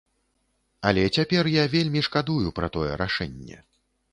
Але цяпер я вельмі шкадую пра тое рашэнне.